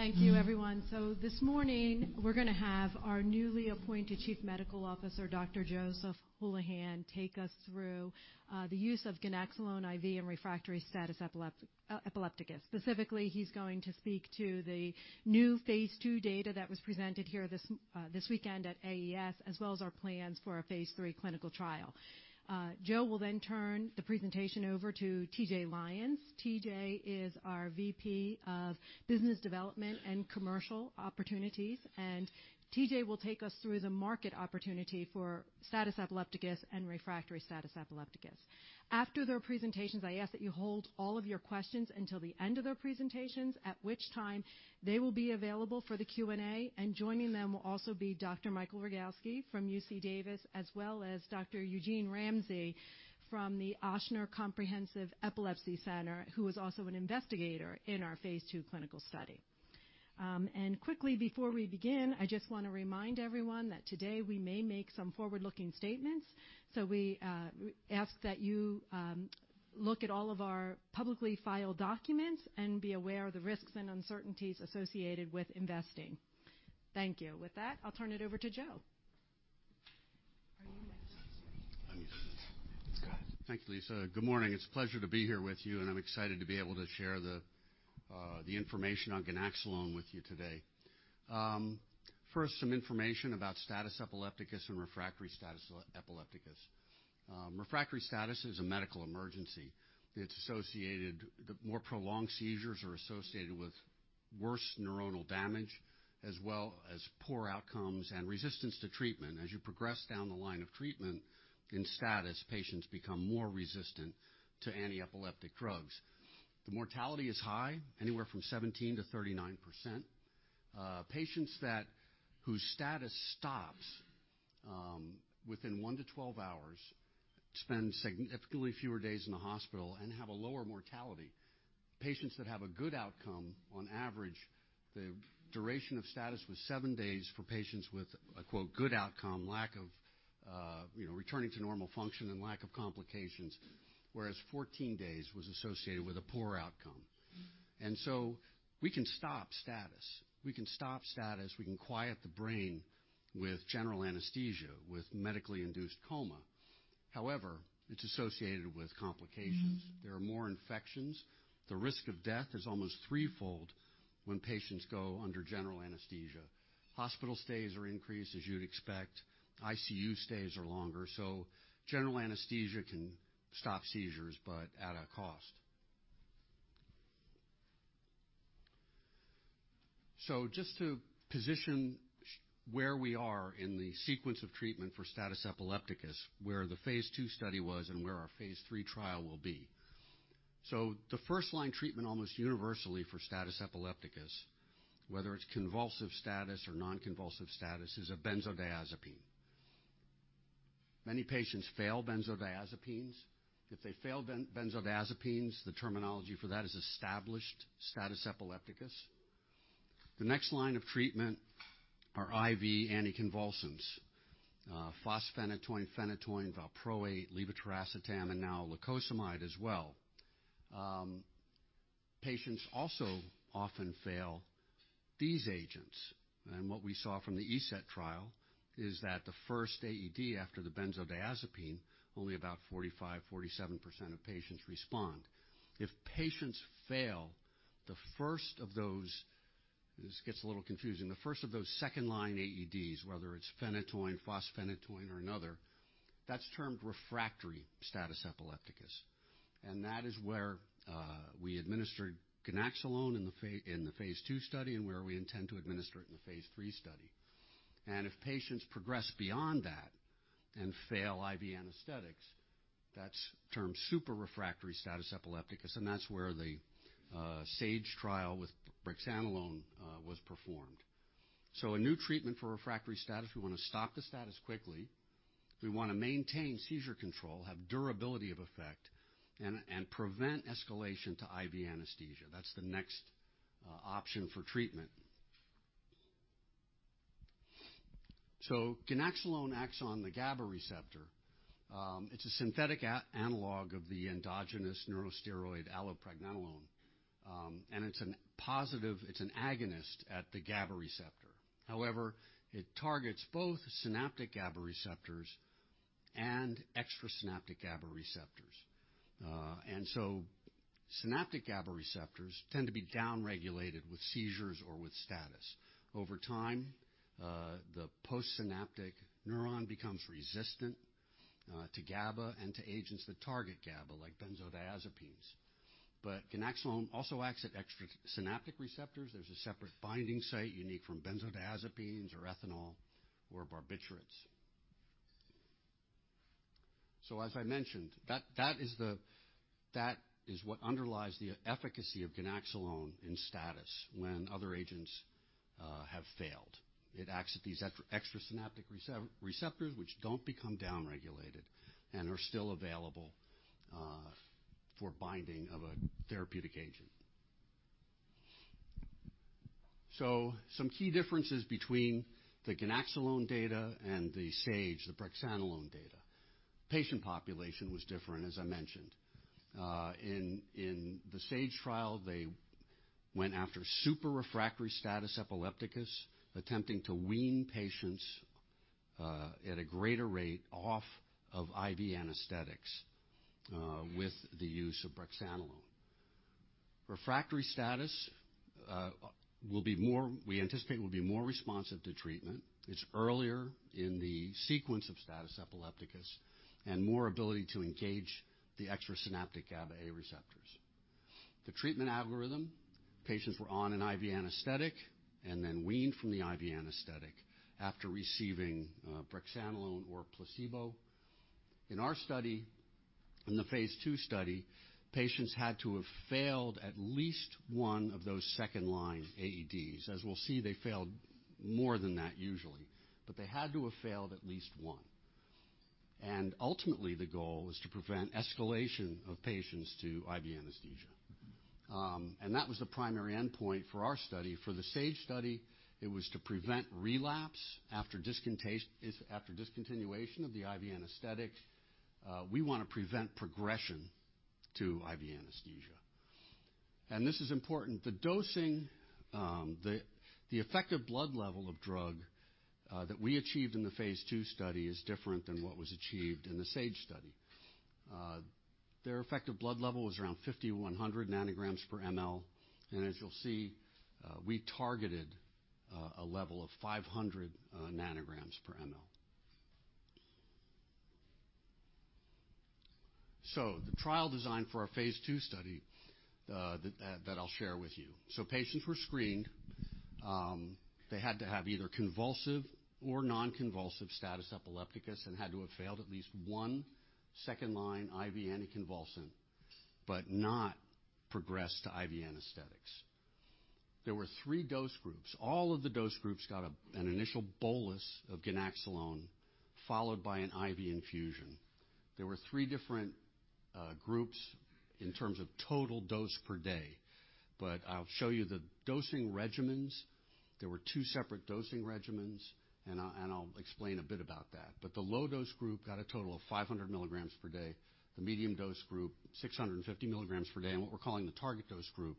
Thank you everyone. This morning, we're going to have our newly appointed chief medical officer, Dr. Joseph Hulihan, take us through the use of ganaxolone IV in refractory status epilepticus. Specifically, he's going to speak to the new phase II data that was presented here this weekend at AES, as well as our plans for our phase III clinical trial. Joe will then turn the presentation over to T.J. Lyons. T.J. is our VP of business development and commercial opportunities. T.J. will take us through the market opportunity for status epilepticus and refractory status epilepticus. After their presentations, I ask that you hold all of your questions until the end of their presentations, at which time they will be available for the Q&A. Joining them will also be Dr. Michael Rogawski from UC Davis, as well as Dr. Eugene Ramsay from the Ochsner Comprehensive Epilepsy Center, who was also an investigator in our phase II clinical study. Quickly before we begin, I just want to remind everyone that today we may make some forward-looking statements. We ask that you look at all of our publicly filed documents and be aware of the risks and uncertainties associated with investing. Thank you. With that, I'll turn it over to Joe. Are you next? I'm next. Let's go. Thank you, Lisa. Good morning. It's a pleasure to be here with you, and I'm excited to be able to share the information on ganaxolone with you today. First, some information about status epilepticus and refractory status epilepticus. Refractory status is a medical emergency. More prolonged seizures are associated with worse neuronal damage, as well as poor outcomes and resistance to treatment. As you progress down the line of treatment in status, patients become more resistant to antiepileptic drugs. Mortality is high, anywhere from 17% to 39%. Patients whose status stops within one to 12 hours spend significantly fewer days in the hospital and have a lower mortality. Patients that have a good outcome, on average, the duration of status was seven days for patients with a, quote, "good outcome," returning to normal function and lack of complications. 14 days was associated with a poor outcome. We can stop status. We can quiet the brain with general anesthesia, with medically induced coma. However, it's associated with complications. There are more infections. The risk of death is almost threefold when patients go under general anesthesia. Hospital stays are increased, as you would expect. ICU stays are longer. General anesthesia can stop seizures, but at a cost. Just to position where we are in the sequence of treatment for status epilepticus, where the phase II study was and where our phase III trial will be. The first-line treatment almost universally for status epilepticus, whether it's convulsive status or non-convulsive status, is a benzodiazepine. Many patients fail benzodiazepines. If they fail benzodiazepines, the terminology for that is established status epilepticus. The next line of treatment are IV anticonvulsants. fosphenytoin, phenytoin, valproate, levetiracetam, and now lacosamide as well. Patients also often fail these agents. What we saw from the ESETT trial is that the first AED after the benzodiazepine, only about 45%-47% of patients respond. If patients fail the first of those. This gets a little confusing. The first of those second-line AEDs, whether it's phenytoin, fosphenytoin, or another, that's termed refractory status epilepticus. That is where we administered ganaxolone in the phase II study and where we intend to administer it in the phase III study. If patients progress beyond that and fail IV anesthetics, that's termed super-refractory status epilepticus, and that's where the SAGE trial with brexanolone was performed. A new treatment for refractory status. We want to stop the status quickly. We want to maintain seizure control, have durability of effect, and prevent escalation to IV anesthesia. That's the next option for treatment. Ganaxolone acts on the GABA receptor. It's a synthetic analog of the endogenous neurosteroid allopregnanolone. It's an agonist at the GABA receptor. However, it targets both synaptic GABA receptors and extrasynaptic GABA receptors. Synaptic GABAA receptors tend to be downregulated with seizures or with status. Over time, the postsynaptic neuron becomes resistant to GABA and to agents that target GABA, like benzodiazepines. Ganaxolone also acts at extrasynaptic receptors. There is a separate binding site unique from benzodiazepines or ethanol or barbiturates. As I mentioned, that is what underlies the efficacy of ganaxolone in status when other agents have failed. It acts at these extrasynaptic receptors, which do not become downregulated and are still available for binding of a therapeutic agent. Some key differences between the ganaxolone data and the SAGE, the brexanolone data. Patient population was different, as I mentioned. In the SAGE trial, they went after super-refractory status epilepticus, attempting to wean patients at a greater rate off of IV anesthetics with the use of brexanolone. Refractory status, we anticipate will be more responsive to treatment. It's earlier in the sequence of status epilepticus and more ability to engage the extrasynaptic GABAA receptors. The treatment algorithm, patients were on an IV anesthetic and then weaned from the IV anesthetic after receiving brexanolone or a placebo. In our study, in the phase II study, patients had to have failed at least one of those second line AEDs. As we'll see, they failed more than that usually. They had to have failed at least one. Ultimately, the goal is to prevent escalation of patients to IV anesthesia. That was the primary endpoint for our study. For the SAGE trial, it was to prevent relapse after discontinuation of the IV anesthetic. We want to prevent progression to IV anesthesia. This is important. The dosing, the effective blood level of drug that we achieved in the phase II study is different than what was achieved in the SAGE trial. Their effective blood level was around 5,100 nanograms per ml, and as you'll see, we targeted a level of 500 nanograms per ml. The trial design for our phase II study that I'll share with you. Patients were screened. They had to have either convulsive or non-convulsive status epilepticus and had to have failed at least one second line IV anticonvulsant, but not progressed to IV anesthetics. There were three dose groups. All of the dose groups got an initial bolus of ganaxolone followed by an IV infusion. There were three different groups in terms of total dose per day, but I'll show you the dosing regimens. There were two separate dosing regimens, and I'll explain a bit about that. The low dose group got a total of 500 milligrams per day, the medium dose group, 650 milligrams per day, and what we're calling the target dose group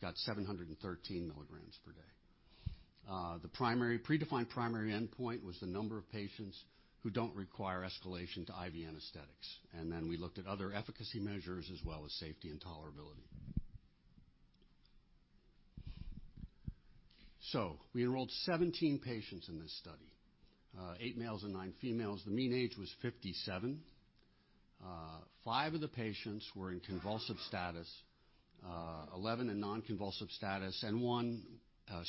got 713 milligrams per day. The predefined primary endpoint was the number of patients who don't require escalation to IV anesthetics. We looked at other efficacy measures as well as safety and tolerability. We enrolled 17 patients in this study, eight males and nine females. The mean age was 57. Five of the patients were in convulsive status, 11 in non-convulsive status, and one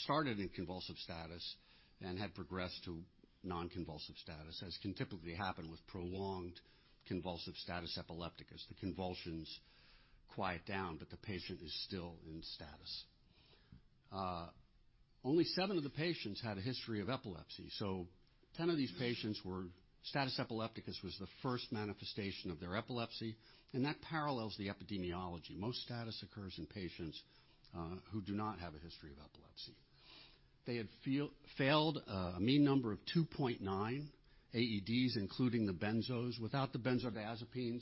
started in convulsive status and had progressed to non-convulsive status, as can typically happen with prolonged convulsive status epilepticus. The convulsions quiet down, but the patient is still in status. Only seven of the patients had a history of epilepsy. 10 of these patients were status epilepticus was the first manifestation of their epilepsy, and that parallels the epidemiology. Most status occurs in patients who do not have a history of epilepsy. They had failed a mean number of 2.9 AEDs, including the benzos. Without the benzodiazepines,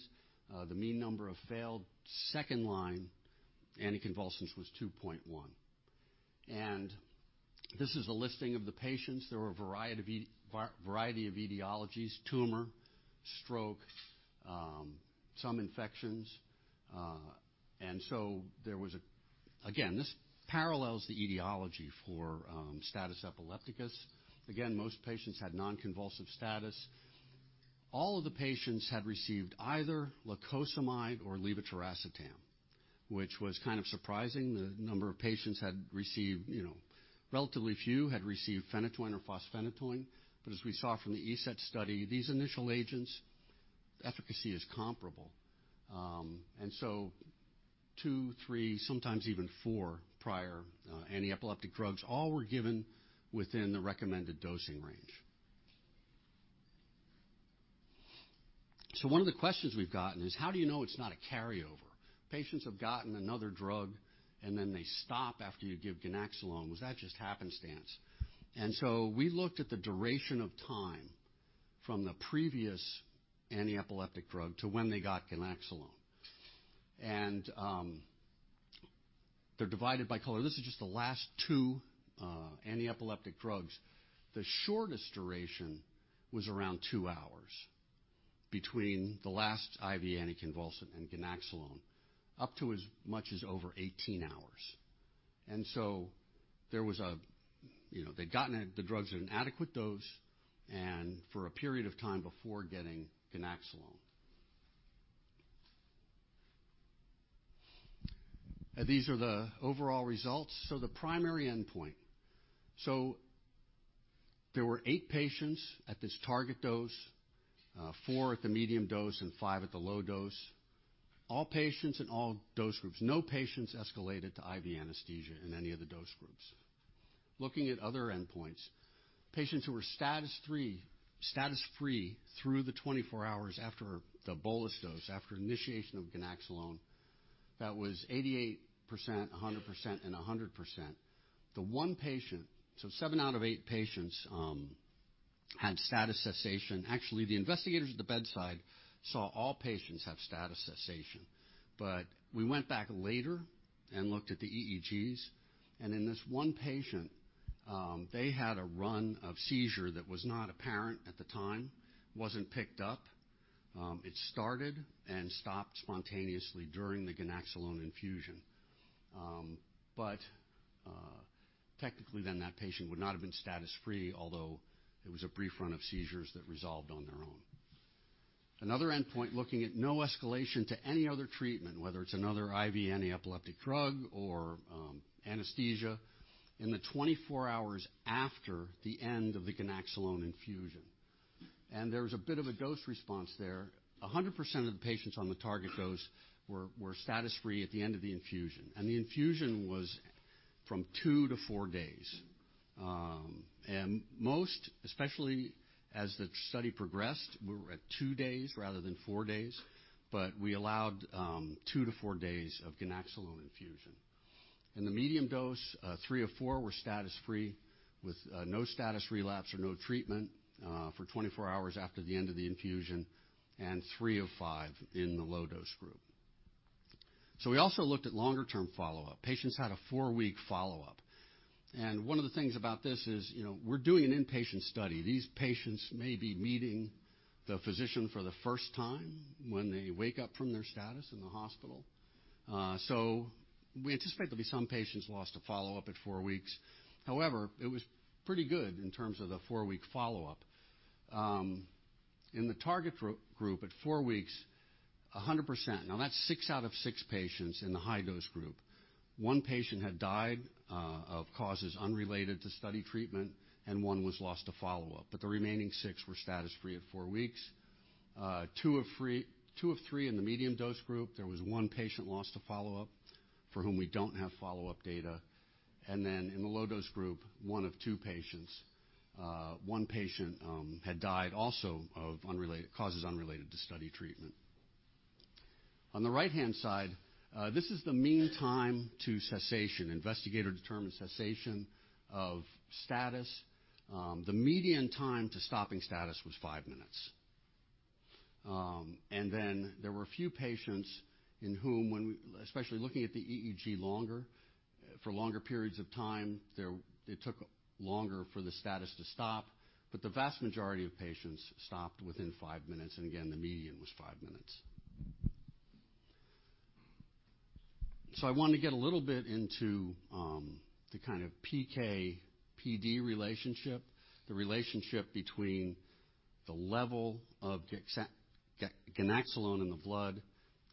the mean number of failed second line anticonvulsants was 2.1. This is a listing of the patients. There were a variety of etiologies, tumor, stroke, some infections. There was, again, this parallels the etiology for status epilepticus. Again, most patients had non-convulsive status. All of the patients had received either lacosamide or levetiracetam, which was kind of surprising. Relatively few had received phenytoin or fosphenytoin. As we saw from the ESETT study, these initial agents' efficacy is comparable. Two, three, sometimes even four prior antiepileptic drugs all were given within the recommended dosing range. One of the questions we've gotten is, how do you know it's not a carryover? Patients have gotten another drug and then they stop after you give ganaxolone. Was that just happenstance? We looked at the duration of time from the previous antiepileptic drug to when they got ganaxolone. They're divided by color. This is just the last two antiepileptic drugs. The shortest duration was around two hours between the last IV anticonvulsant and ganaxolone, up to as much as over 18 hours. They'd gotten the drugs at an adequate dose and for a period of time before getting ganaxolone. These are the overall results. The primary endpoint. There were eight patients at this target dose, four at the medium dose, and five at the low dose. All patients in all dose groups. No patients escalated to IV anesthesia in any of the dose groups. Looking at other endpoints, patients who were status free through the 24 hours after the bolus dose, after initiation of ganaxolone. That was 88%, 100% and 100%. Seven out of eight patients had status cessation. Actually, the investigators at the bedside saw all patients have status cessation. We went back later and looked at the EEGs, and in this one patient, they had a run of seizure that was not apparent at the time, wasn't picked up. It started and stopped spontaneously during the ganaxolone infusion. Technically then that patient would not have been status-free, although it was a brief run of seizures that resolved on their own. Another endpoint, looking at no escalation to any other treatment, whether it's another IV antiepileptic drug or anesthesia in the 24 hours after the end of the ganaxolone infusion. There was a bit of a dose response there. 100% of the patients on the target dose were status-free at the end of the infusion. The infusion was from two to four days. Most, especially as the study progressed, we were at two days rather than four days. We allowed two to four days of ganaxolone infusion. In the medium dose, three of four were status-free with no status relapse or no treatment for 24 hours after the end of the infusion, and three of five in the low dose group. We also looked at longer-term follow-up. Patients had a four-week follow-up. And one of the things about this is we're doing an inpatient study. These patients may be meeting the physician for the first time when they wake up from their status in the hospital. We anticipate there'll be some patients lost to follow-up at four weeks. It was pretty good in terms of the four-week follow-up. In the target group at four weeks, 100%. Now, that's six out of six patients in the high-dose group. One patient had died of causes unrelated to study treatment, and one was lost to follow-up. The remaining six were status-free at four weeks. Two of three in the medium-dose group, there was one patient lost to follow-up for whom we don't have follow-up data. In the low-dose group, one of two patients. One patient had died also of causes unrelated to study treatment. On the right-hand side, this is the mean time to cessation, investigator-determined cessation of status. The median time to stopping status was five minutes. There were a few patients in whom when, especially looking at the EEG for longer periods of time, it took longer for the status to stop. The vast majority of patients stopped within five minutes, and again, the median was five minutes. I want to get a little bit into the kind of PK/PD relationship, the relationship between the level of ganaxolone in the blood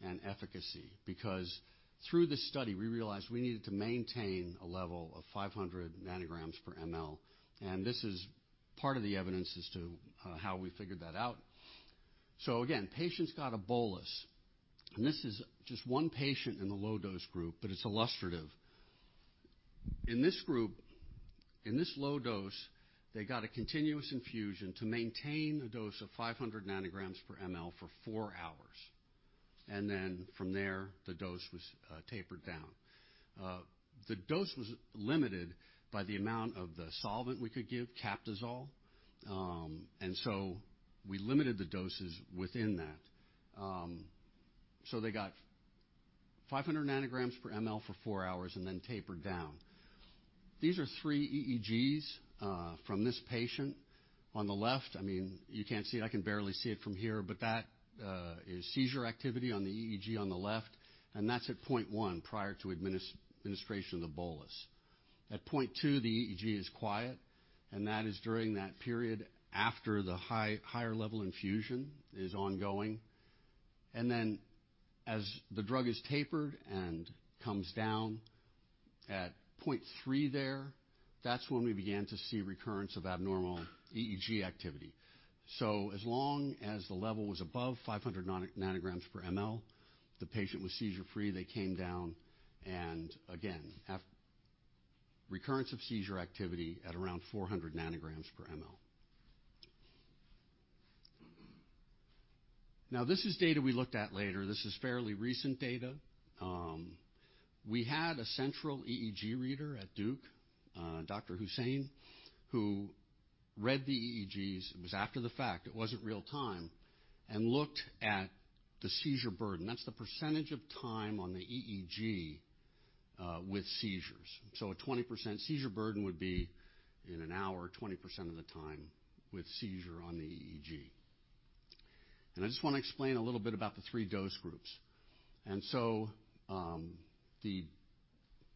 and efficacy, because through this study, we realized we needed to maintain a level of 500 nanograms per ml. This is part of the evidence as to how we figured that out. Again, patients got a bolus, and this is just one patient in the low dose group, but it's illustrative. In this group, in this low dose, they got a continuous infusion to maintain a dose of 500 nanograms per mL for 4 hours. From there, the dose was tapered down. The dose was limited by the amount of the solvent we could give, Captisol. We limited the doses within that. They got 500 nanograms per mL for 4 hours and then tapered down. These are three EEGs from this patient. On the left, you can't see it, I can barely see it from here, but that is seizure activity on the EEG on the left, and that's at point 1 prior to administration of the bolus. At point 2, the EEG is quiet, and that is during that period after the higher-level infusion is ongoing. As the drug is tapered and comes down at point 3 there, that's when we began to see recurrence of abnormal EEG activity. As long as the level was above 500 nanograms per ml, the patient was seizure-free. They came down and again, recurrence of seizure activity at around 400 nanograms per ml. This is data we looked at later. This is fairly recent data. We had a central EEG reader at Duke, Dr. Husain, who read the EEGs. It was after the fact. It wasn't real-time. Looked at the seizure burden. That's the percentage of time on the EEG with seizures. A 20% seizure burden would be in an hour, 20% of the time with seizure on the EEG. I just want to explain a little bit about the 3 dose groups.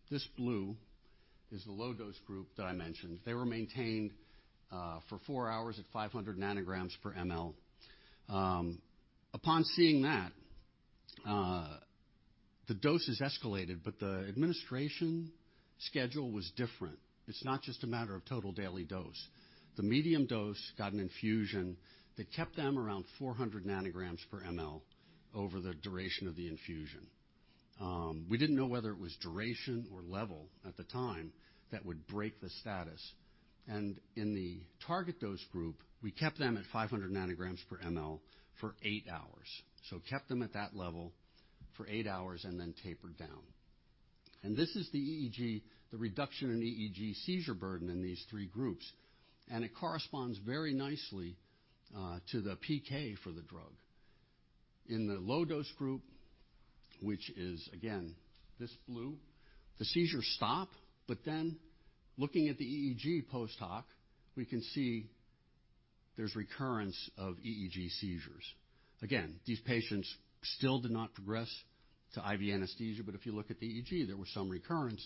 This blue is the low dose group that I mentioned. They were maintained for 4 hours at 500 nanograms per mL. Upon seeing that, the dose is escalated, but the administration schedule was different. It's not just a matter of total daily dose. The medium dose got an infusion that kept them around 400 nanograms per mL over the duration of the infusion. We didn't know whether it was duration or level at the time that would break the status. In the target dose group, we kept them at 500 nanograms per mL for 8 hours. Kept them at that level for 8 hours and then tapered down. This is the EEG, the reduction in EEG seizure burden in these three groups, and it corresponds very nicely to the PK for the drug. In the low-dose group, which is again, this blue, the seizures stop, but then looking at the EEG post hoc, we can see there's recurrence of EEG seizures. These patients still did not progress to IV anesthesia, if you look at the EEG, there were some recurrence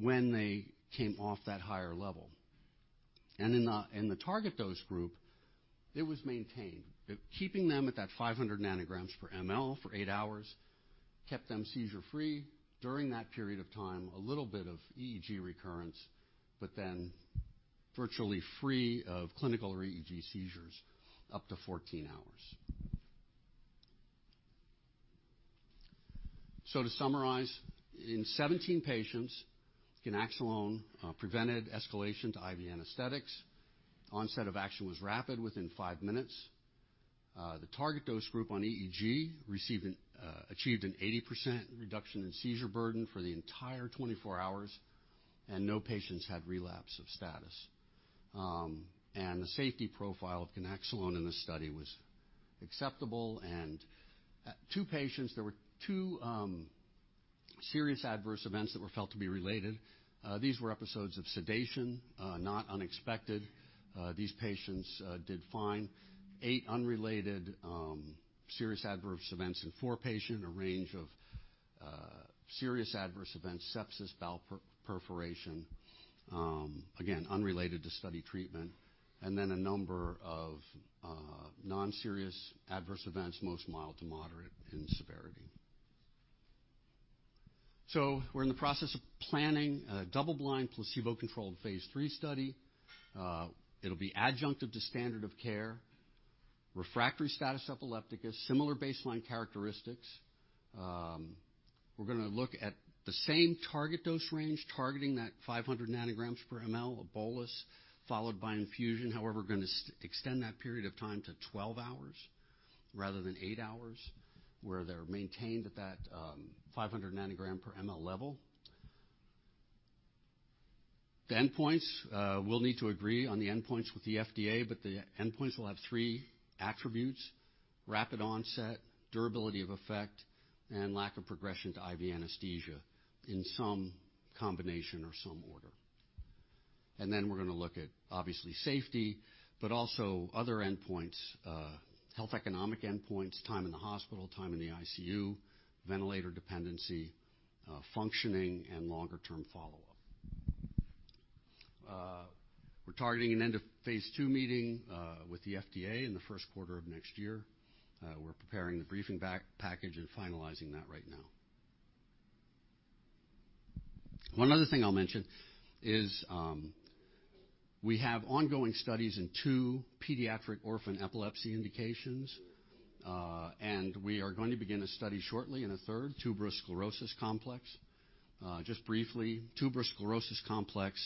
when they came off that higher level. In the target dose group, it was maintained. Keeping them at that 500 nanograms per ML for eight hours kept them seizure-free during that period of time. A little bit of EEG recurrence, virtually free of clinical or EEG seizures up to 14 hours. To summarize, in 17 patients, ganaxolone prevented escalation to IV anesthetics. Onset of action was rapid within five minutes. The target dose group on EEG achieved an 80% reduction in seizure burden for the entire 24 hours, and no patients had relapse of status. The safety profile of ganaxolone in this study was acceptable, and 2 patients, there were 2 serious adverse events that were felt to be related. These were episodes of sedation, not unexpected. These patients did fine. 8 unrelated serious adverse events in 4 patients, a range of serious adverse events, sepsis, bowel perforation. Again, unrelated to study treatment. A number of non-serious adverse events, most mild to moderate in severity. We're in the process of planning a double-blind, placebo-controlled Phase III study. It'll be adjunctive to standard of care. Refractory status epilepticus, similar baseline characteristics. We're going to look at the same target dose range, targeting that 500 nanograms per ML of bolus followed by infusion. We're going to extend that period of time to 12 hours rather than eight hours, where they're maintained at that 500 nanogram per mL level. The endpoints, we'll need to agree on the endpoints with the FDA, but the endpoints will have three attributes: rapid onset, durability of effect, and lack of progression to IV anesthesia in some combination or some order. Then we're going to look at, obviously, safety, but also other endpoints, health economic endpoints, time in the hospital, time in the ICU, ventilator dependency, functioning, and longer-term follow-up. We're targeting an end of phase II meeting with the FDA in the first quarter of next year. We're preparing the briefing package and finalizing that right now. One other thing I'll mention is we have ongoing studies in two pediatric orphan epilepsy indications. We are going to begin a study shortly in a third, tuberous sclerosis complex. Just briefly, tuberous sclerosis complex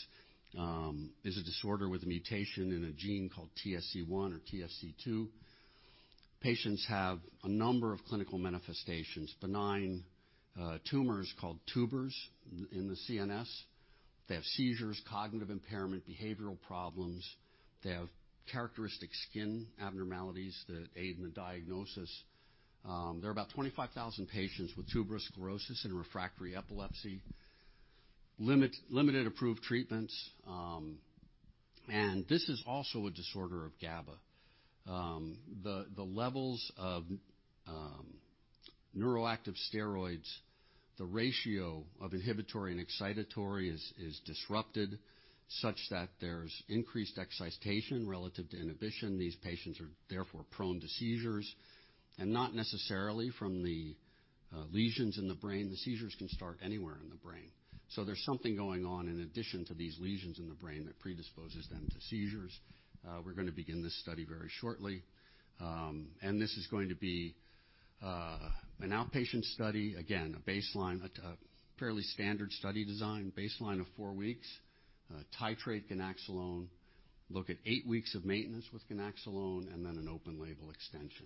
is a disorder with a mutation in a gene called TSC1 or TSC2. Patients have a number of clinical manifestations. Benign tumors called tubers in the CNS. They have seizures, cognitive impairment, behavioral problems. They have characteristic skin abnormalities that aid in the diagnosis. There are about 25,000 patients with tuberous sclerosis and refractory epilepsy. Limited approved treatments. This is also a disorder of GABA. The levels of neuroactive steroids, the ratio of inhibitory and excitatory is disrupted such that there's increased excitation relative to inhibition. These patients are therefore prone to seizures and not necessarily from the lesions in the brain. The seizures can start anywhere in the brain. There's something going on in addition to these lesions in the brain that predisposes them to seizures. We're going to begin this study very shortly. This is going to be an outpatient study. Again, a baseline, a fairly standard study design. Baseline of four weeks. Titrate ganaxolone. Look at eight weeks of maintenance with ganaxolone and then an open-label extension.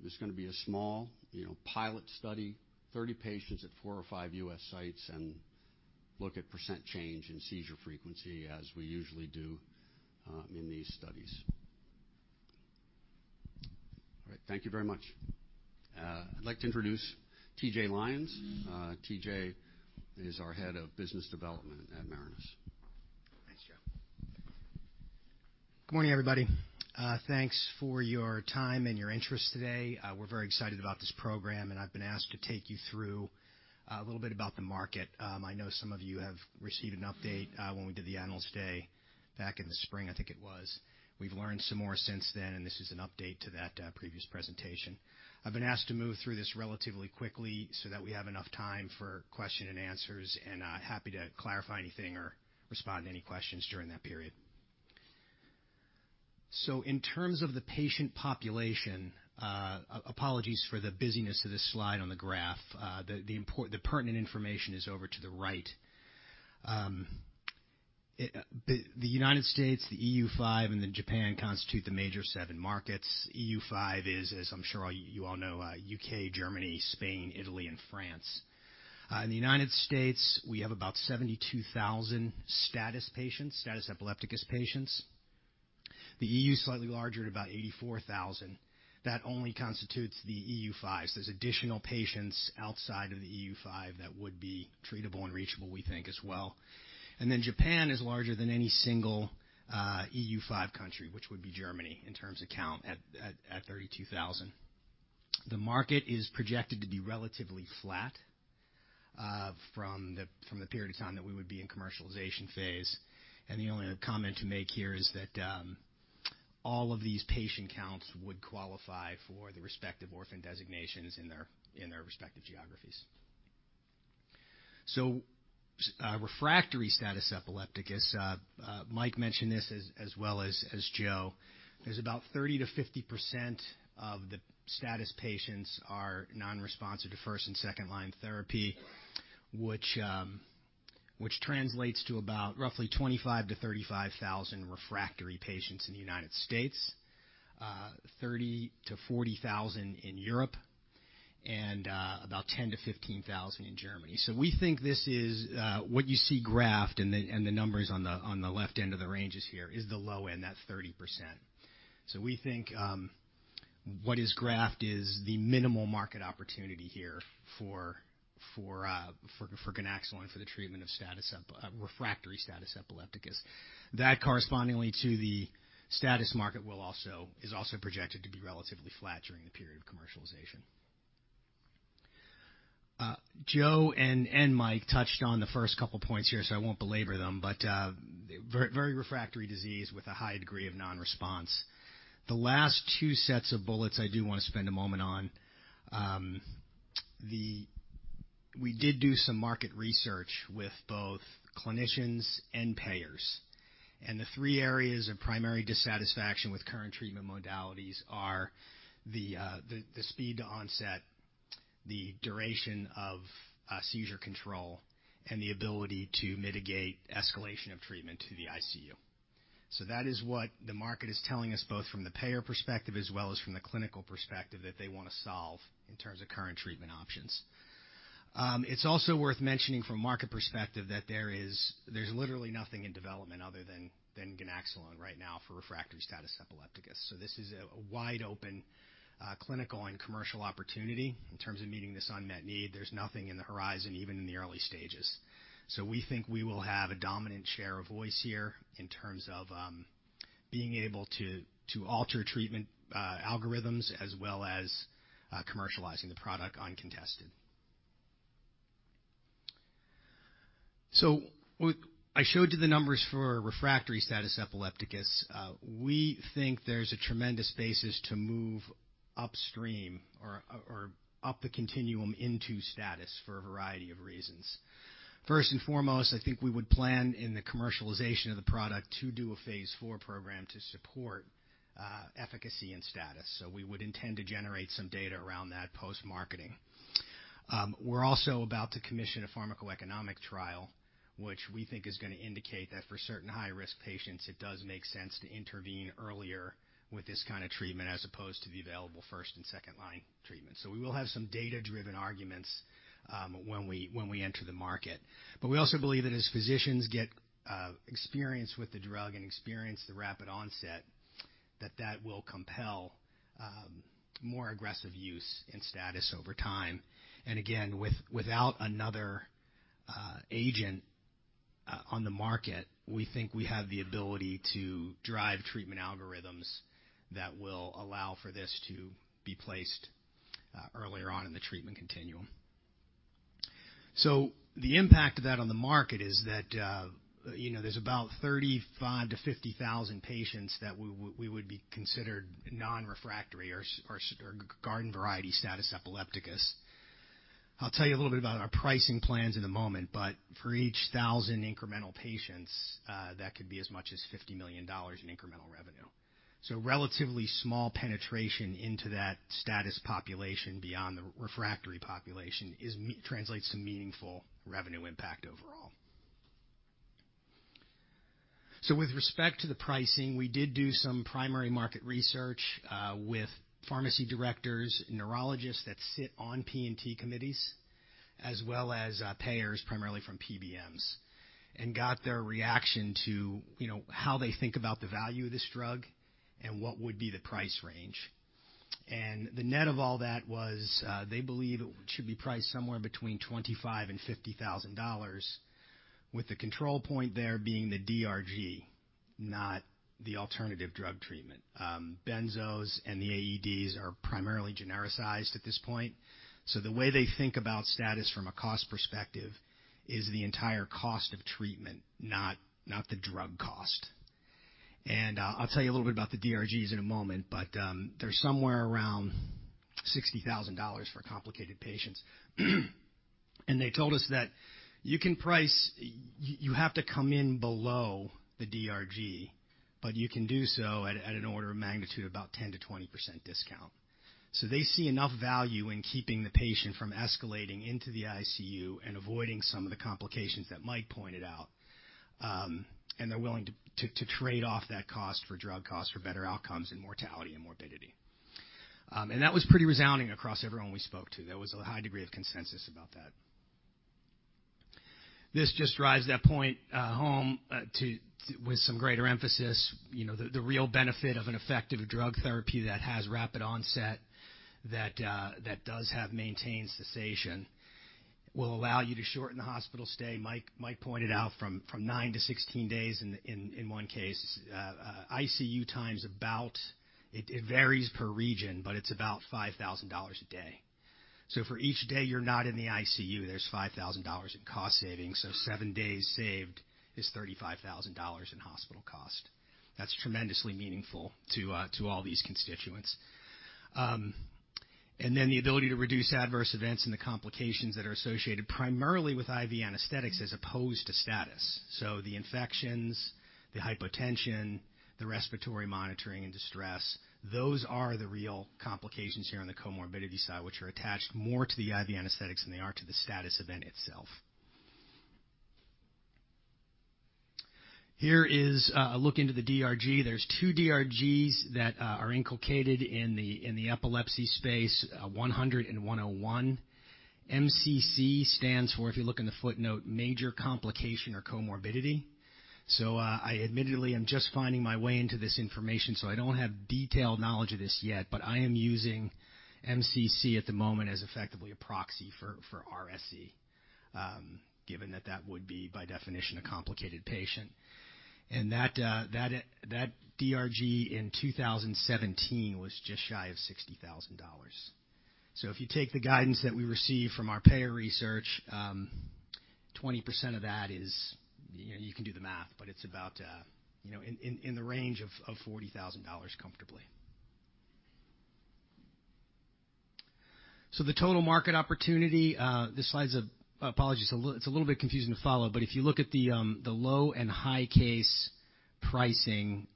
This is going to be a small pilot study, 30 patients at four or five U.S. sites and look at % change in seizure frequency as we usually do in these studies. All right. Thank you very much. I'd like to introduce T.J. Lyons. T.J. is our head of business development at Marinus. Thanks, Joe. Good morning, everybody. Thanks for your time and your interest today. We're very excited about this program, and I've been asked to take you through a little bit about the market. I know some of you have received an update when we did the Analyst Day back in the spring, I think it was. We've learned some more since then, and this is an update to that previous presentation. I've been asked to move through this relatively quickly so that we have enough time for question and answers, and happy to clarify anything or respond to any questions during that period. In terms of the patient population, apologies for the busyness of this slide on the graph. The pertinent information is over to the right. The United States, the EU5, and then Japan constitute the major seven markets. EU5 is, as I'm sure you all know, U.K., Germany, Spain, Italy, and France. In the U.S., we have about 72,000 status epilepticus patients. The EU, slightly larger at about 84,000. That only constitutes the EU5s. There's additional patients outside of the EU5 that would be treatable and reachable, we think, as well. Japan is larger than any single EU5 country, which would be Germany, in terms of count at 32,000. The market is projected to be relatively flat from the period of time that we would be in commercialization phase. The only other comment to make here is that all of these patient counts would qualify for the respective orphan designations in their respective geographies. Refractory status epilepticus, Mike mentioned this as well as Joe. There's about 30%-50% of the status patients are non-responsive to first- and second-line therapy, which translates to about roughly 25,000-35,000 refractory patients in the United States, 30,000-40,000 in Europe, and about 10,000-15,000 in Germany. We think what you see graphed and the numbers on the left end of the ranges here is the low end. That's 30%. We think what is graphed is the minimal market opportunity here for ganaxolone for the treatment of refractory status epilepticus. That correspondingly to the status market is also projected to be relatively flat during the period of commercialization. Joe and Mike touched on the first couple points here, so I won't belabor them, but very refractory disease with a high degree of non-response. The last two sets of bullets I do want to spend a moment on. We did do some market research with both clinicians and payers. The three areas of primary dissatisfaction with current treatment modalities are the speed to onset, the duration of seizure control, and the ability to mitigate escalation of treatment to the ICU. That is what the market is telling us, both from the payer perspective as well as from the clinical perspective, that they want to solve in terms of current treatment options. It's also worth mentioning from a market perspective that there's literally nothing in development other than ganaxolone right now for refractory status epilepticus. This is a wide open clinical and commercial opportunity in terms of meeting this unmet need. There's nothing in the horizon, even in the early stages. We think we will have a dominant share of voice here in terms of being able to alter treatment algorithms as well as commercializing the product uncontested. I showed you the numbers for refractory status epilepticus. We think there's a tremendous basis to move upstream or up the continuum into status for a variety of reasons. First and foremost, I think we would plan in the commercialization of the product to do a phase IV program to support efficacy and status. We would intend to generate some data around that post-marketing. We're also about to commission a pharmacoeconomic trial, which we think is going to indicate that for certain high-risk patients, it does make sense to intervene earlier with this kind of treatment as opposed to the available first and second-line treatment. We will have some data-driven arguments when we enter the market. We also believe that as physicians get experience with the drug and experience the rapid onset, that that will compel more aggressive use in status epilepticus over time. Again, without another agent on the market, we think we have the ability to drive treatment algorithms that will allow for this to be placed earlier on in the treatment continuum. The impact of that on the market is that there's about 35,000 to 50,000 patients that we would be considered non-refractory or garden-variety status epilepticus. I'll tell you a little bit about our pricing plans in a moment, but for each 1,000 incremental patients, that could be as much as $50 million in incremental revenue. Relatively small penetration into that status epilepticus population beyond the refractory population translates to meaningful revenue impact overall. With respect to the pricing, we did do some primary market research with pharmacy directors, neurologists that sit on P&T committees, as well as payers, primarily from PBMs, and got their reaction to how they think about the value of this drug and what would be the price range. The net of all that was they believe it should be priced somewhere between $25,000 and $50,000, with the control point there being the DRG, not the alternative drug treatment. Benzos and the AEDs are primarily genericized at this point. The way they think about status from a cost perspective is the entire cost of treatment, not the drug cost. I'll tell you a little bit about the DRGs in a moment, but they're somewhere around $60,000 for complicated patients. They told us that you have to come in below the DRG, but you can do so at an order of magnitude about 10%-20% discount. They see enough value in keeping the patient from escalating into the ICU and avoiding some of the complications that Mike pointed out. They're willing to trade off that cost for drug costs for better outcomes in mortality and morbidity. That was pretty resounding across everyone we spoke to. There was a high degree of consensus about that. This just drives that point home with some greater emphasis. The real benefit of an effective drug therapy that has rapid onset, that does have maintained cessation, will allow you to shorten the hospital stay. Mike pointed out from nine to 16 days in one case. ICU time is about, it varies per region, but it's about $5,000 a day. For each day you're not in the ICU, there's $5,000 in cost savings. Seven days saved is $35,000 in hospital cost. That's tremendously meaningful to all these constituents. The ability to reduce adverse events and the complications that are associated primarily with IV anesthetics as opposed to status. The infections, the hypotension, the respiratory monitoring, and distress, those are the real complications here on the comorbidity side, which are attached more to the IV anesthetics than they are to the status event itself. Here is a look into the DRG. There's two DRGs that are inculcated in the epilepsy space, 100 and 101. MCC stands for, if you look in the footnote, major complication or comorbidity. I admittedly am just finding my way into this information, so I don't have detailed knowledge of this yet, but I am using MCC at the moment as effectively a proxy for RSE, given that that would be by definition, a complicated patient. That DRG in 2017 was just shy of $60,000. If you take the guidance that we received from our payer research, 20% of that is, you can do the math, but it's about in the range of $40,000 comfortably. The total market opportunity, this slide's, apologies, it's a little bit confusing to follow, but if you look at the low and high case pricing,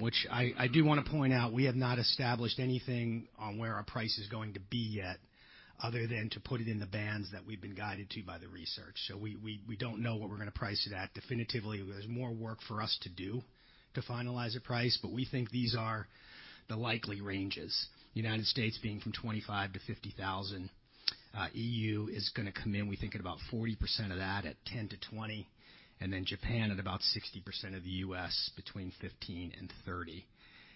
which I do want to point out, we have not established anything on where our price is going to be yet, other than to put it in the bands that we've been guided to by the research. We don't know what we're going to price it at definitively. There's more work for us to do to finalize a price, we think these are the likely ranges. U.S. being from $25,000-$50,000. EU is going to come in, we think, at about 40% of that at 10,000-20,000. Japan at about 60% of the U.S., between 15,000 and 30,000.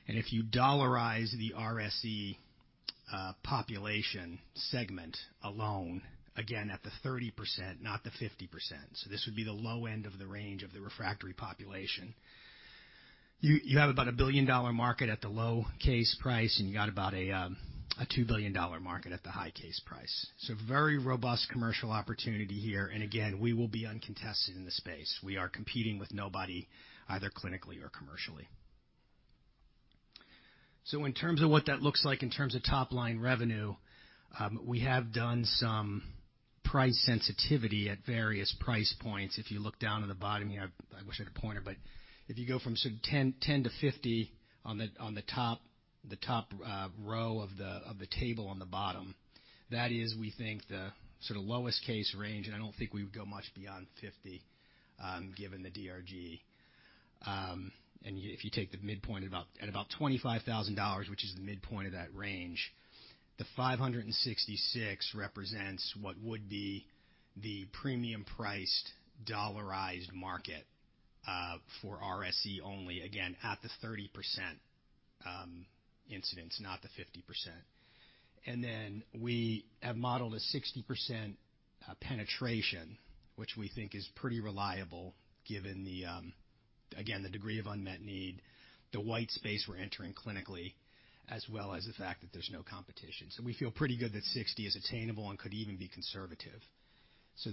If you dollarize the RSE population segment alone, again at the 30%, not the 50%, this would be the low end of the range of the refractory population. You have about a $1 billion market at the low case price, you got about a $2 billion market at the high case price. Very robust commercial opportunity here. Again, we will be uncontested in the space. We are competing with nobody, either clinically or commercially. In terms of what that looks like in terms of top-line revenue, we have done some price sensitivity at various price points. If you look down in the bottom here, I wish I had a pointer, but if you go from 10-50 on the top row of the table on the bottom. That is, we think, the sort of lowest case range, and I don't think we would go much beyond 50 given the DRG. If you take the midpoint at about $25,000, which is the midpoint of that range, the 566 represents what would be the premium priced dollarized market for RSE only. Again, at the 30% incidence, not the 50%. We have modeled a 60% penetration, which we think is pretty reliable given the, again, the degree of unmet need, the white space we're entering clinically, as well as the fact that there's no competition. We feel pretty good that 60 is attainable and could even be conservative.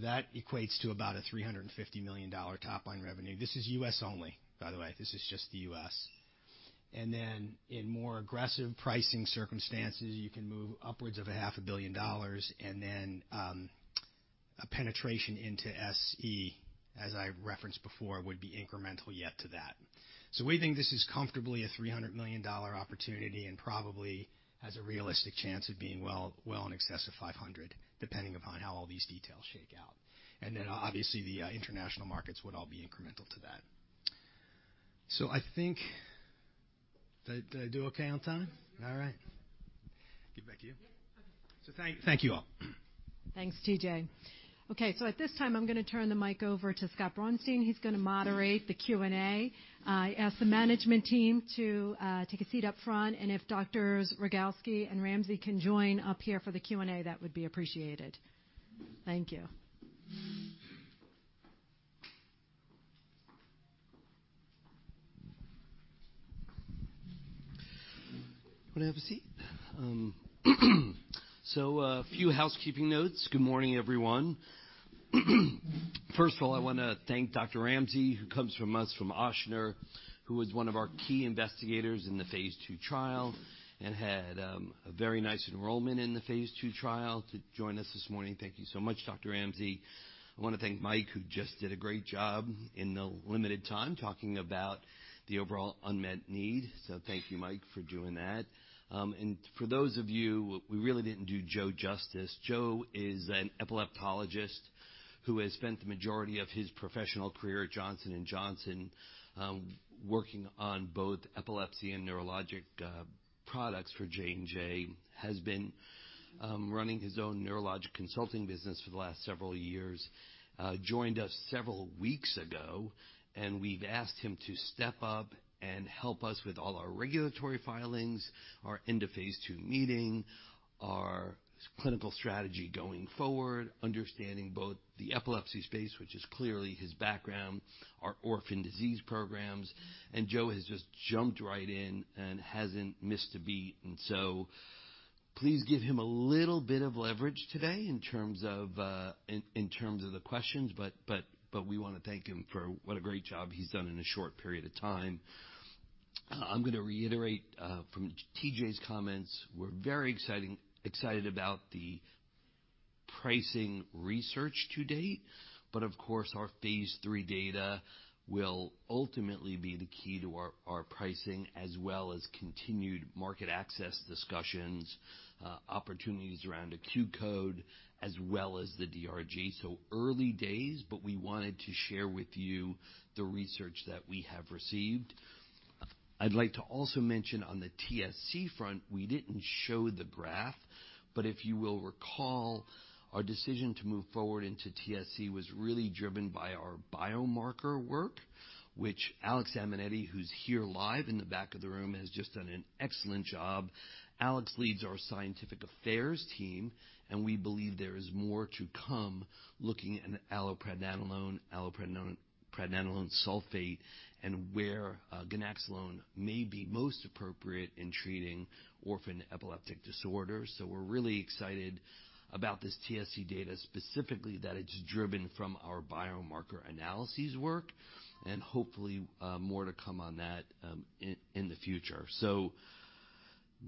That equates to about a $350 million top-line revenue. This is U.S. only, by the way. This is just the U.S. In more aggressive pricing circumstances, you can move upwards of a half a billion dollars, and then a penetration into SE, as I referenced before, would be incremental yet to that. We think this is comfortably a $300 million opportunity and probably has a realistic chance of being well in excess of $500 million, depending upon how all these details shake out. Obviously, the international markets would all be incremental to that. I think, did I do okay on time? All right. Give it back to you. Yeah. Thank you all. Thanks, T.J. At this time, I'm going to turn the mic over to Scott Braunstein. He's going to moderate the Q&A. I ask the management team to take a seat up front, and if Doctors Rogawski and Ramsay can join up here for the Q&A, that would be appreciated. Thank you. Want to have a seat? A few housekeeping notes. Good morning, everyone. First of all, I want to thank Dr. Ramsay, who comes from us from Ochsner, who was one of our key investigators in the phase II trial and had a very nice enrollment in the phase II trial, to join us this morning. Thank you so much, Dr. Ramsay. I want to thank Mike, who just did a great job in the limited time, talking about the overall unmet need. Thank you, Mike, for doing that. For those of you, we really didn't do Joe justice. Joe is an epileptologist who has spent the majority of his professional career at Johnson & Johnson, working on both epilepsy and neurologic products for J&J. Has been running his own neurologic consulting business for the last several years. Joined us several weeks ago. We've asked him to step up and help us with all our regulatory filings, our end-of-phase II meeting, our clinical strategy going forward, understanding both the epilepsy space, which is clearly his background, our orphan disease programs. Joe has just jumped right in and hasn't missed a beat. Please give him a little bit of leverage today in terms of the questions. We want to thank him for what a great job he's done in a short period of time. I'm going to reiterate from T.J.'s comments. We're very excited about the pricing research to date. Of course, our phase III data will ultimately be the key to our pricing as well as continued market access discussions, opportunities around a Q-code, as well as the DRG. Early days, but we wanted to share with you the research that we have received. I'd like to also mention on the TSC front, we didn't show the graph, but if you will recall, our decision to move forward into TSC was really driven by our biomarker work, which Alex Aimetti, who's here live in the back of the room, has just done an excellent job. Alex leads our scientific affairs team, and we believe there is more to come looking at allopregnanolone sulfate, and where ganaxolone may be most appropriate in treating orphan epileptic disorders. We're really excited about this TSC data, specifically that it's driven from our biomarker analyses work and hopefully more to come on that in the future.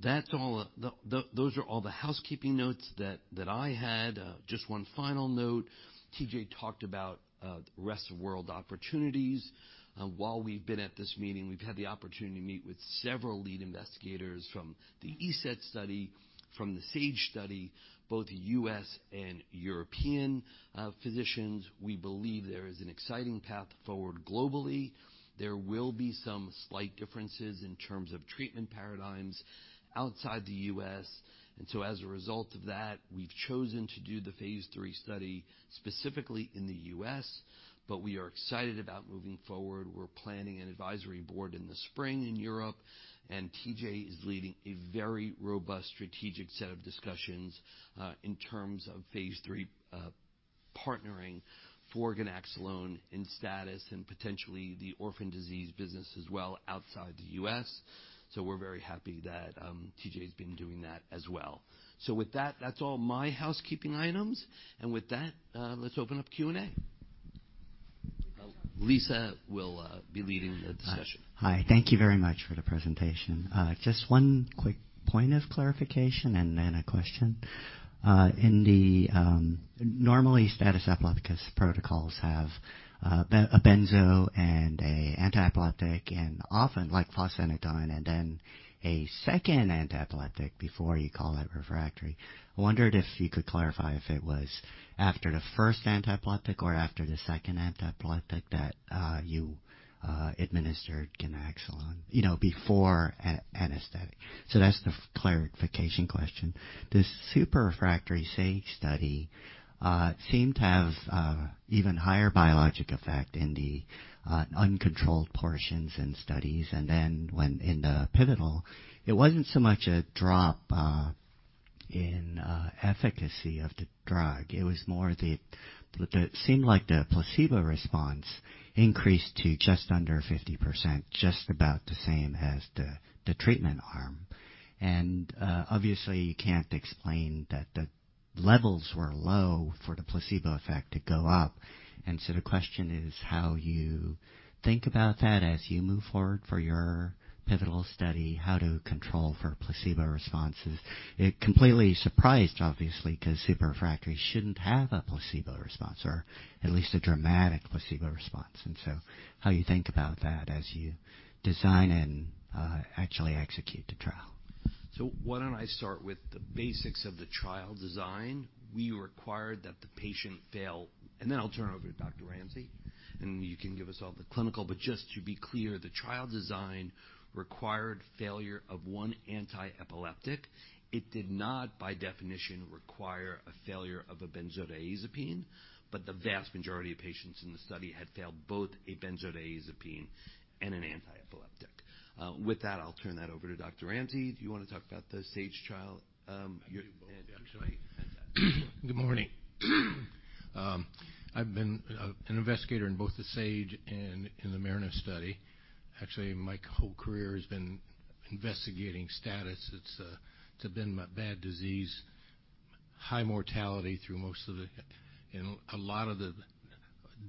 Those are all the housekeeping notes that I had. Just one final note. T.J. talked about rest of world opportunities. While we've been at this meeting, we've had the opportunity to meet with several lead investigators from the ESETT study, from the SAGE study, both U.S. and European physicians. We believe there is an exciting path forward globally. There will be some slight differences in terms of treatment paradigms outside the U.S., so as a result of that, we've chosen to do the phase III study specifically in the U.S. We are excited about moving forward. We're planning an advisory board in the spring in Europe, T.J. is leading a very robust strategic set of discussions in terms of phase III partnering for ganaxolone in status and potentially the orphan disease business as well outside the U.S. We're very happy that T.J. has been doing that as well. With that's all my housekeeping items. With that, let's open up Q&A. Lisa will be leading the discussion. Hi. Thank you very much for the presentation. Just one quick point of clarification and then a question. Normally, status epilepticus protocols have a benzo and an antiepileptic, and often like fosphenytoin and then a second antiepileptic before you call it refractory. I wondered if you could clarify if it was after the first antiepileptic or after the second antiepileptic that you administered ganaxolone before anesthetic. That's the clarification question. The super refractory SAGE study seemed to have even higher biologic effect in the uncontrolled portions and studies. When in the pivotal, it wasn't so much a drop in efficacy of the drug. It was more it seemed like the placebo response increased to just under 50%, just about the same as the treatment arm. Obviously, you can't explain that the levels were low for the placebo effect to go up. The question is how you think about that as you move forward for your pivotal study, how to control for placebo responses. It completely surprised, obviously, because super-refractory shouldn't have a placebo response or at least a dramatic placebo response. How you think about that as you design and actually execute the trial. Why don't I start with the basics of the trial design. Then I'll turn it over to Dr. Ramsay, and you can give us all the clinical. Just to be clear, the trial design required failure of one antiepileptic. It did not, by definition, require a failure of a benzodiazepine, but the vast majority of patients in the study had failed both a benzodiazepine and an antiepileptic. With that, I'll turn that over to Dr. Ramsay. Do you want to talk about the SAGE trial? I can do both, actually. Good morning. I've been an investigator in both the SAGE and in the Marinus study. Actually, my whole career has been investigating status. It's been a bad disease, high mortality through most of. A lot of the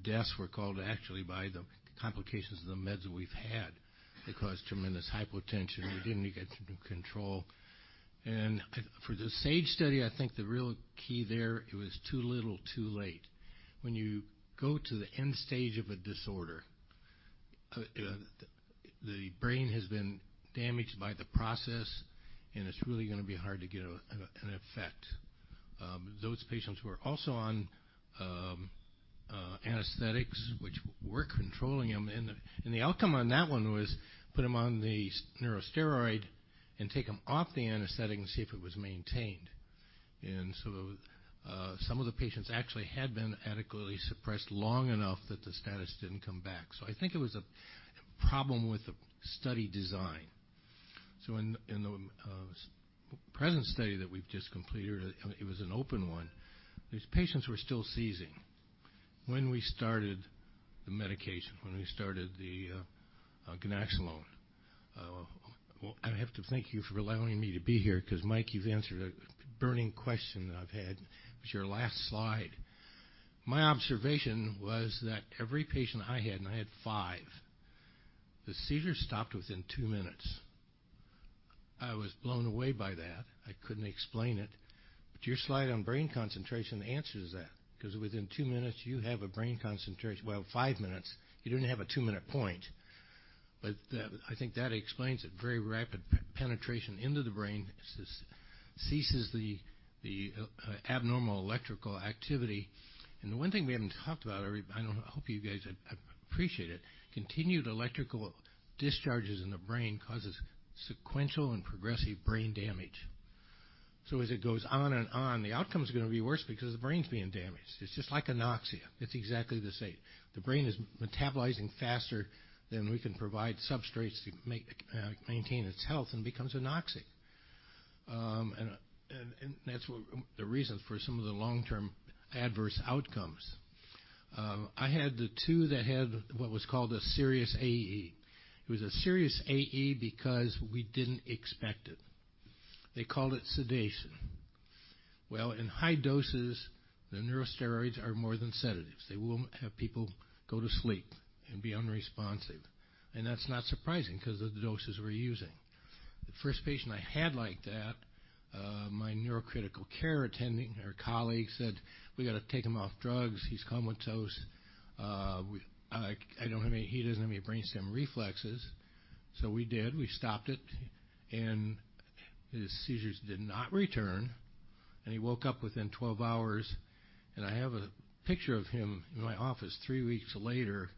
deaths were called actually by the complications of the meds that we've had that caused tremendous hypotension. We didn't get control. For the SAGE study, I think the real key there, it was too little too late. When you go to the end stage of a disorder, the brain has been damaged by the process, and it's really going to be hard to get an effect. Those patients were also on anesthetics, which were controlling them. The outcome on that one was put them on the neurosteroid and take them off the anesthetic and see if it was maintained. Some of the patients actually had been adequately suppressed long enough that the status didn't come back. I think it was a problem with the study design. In the present study that we've just completed, it was an open one. These patients were still seizing when we started the medication, when we started the ganaxolone. I have to thank you for allowing me to be here because, Mike, you've answered a burning question that I've had. It was your last slide. My observation was that every patient I had, and I had five, the seizures stopped within two minutes. I was blown away by that. I couldn't explain it. Your slide on brain concentration answers that because within two minutes you have a brain concentration. Well, five minutes, you didn't have a two-minute point. I think that explains it. Very rapid penetration into the brain ceases the abnormal electrical activity. The one thing we haven't talked about, I hope you guys appreciate it, continued electrical discharges in the brain causes sequential and progressive brain damage. As it goes on and on, the outcome's going to be worse because the brain's being damaged. It's just like anoxia. It's exactly the same. The brain is metabolizing faster than we can provide substrates to maintain its health and becomes anoxic. That's the reason for some of the long-term adverse outcomes. I had the two that had what was called a serious AE. It was a serious AE because we didn't expect it. They called it sedation. Well, in high doses, the neurosteroids are more than sedatives. They will have people go to sleep and be unresponsive. That's not surprising because of the doses we're using. The first patient I had like that, my neuro critical care attending or colleague said, "We've got to take him off drugs. He's comatose. He doesn't have any brain stem reflexes." We did. We stopped it, and his seizures did not return, and he woke up within 12 hours. I have a picture of him in my office three weeks later